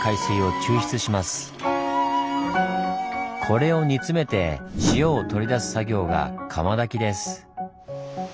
これを煮詰めて塩を取り出す作業が「釜焚き」です。